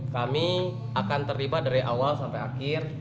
kami akan terlibat dari awal sampai akhir